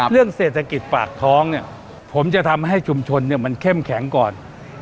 เรื่องเศรษฐกิจปากท้องเนี่ยผมจะทำให้ชุมชนเนี่ยมันเข้มแข็งก่อน